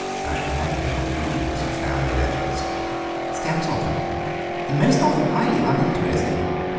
I should imagine there were reams of family letters." "Stacks of them, and most of them highly uninteresting.